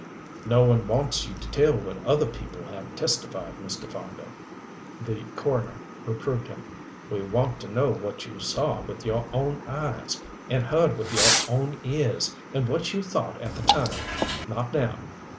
"No one wants you to tell what other people have testified, Mr. Fargo," the coroner reproved him. "We want to know what you saw with your own eyes and heard with your own ears and what you thought at the time, not now.